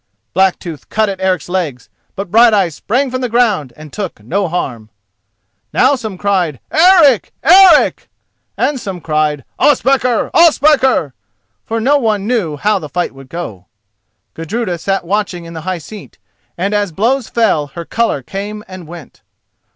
Blacktooth cut at Eric's legs; but Brighteyes sprang from the ground and took no harm. Now some cried, "Eric! Eric!" and some cried "Ospakar! Ospakar!" for no one knew how the fight would go. Gudruda sat watching in the high seat, and as blows fell her colour came and went.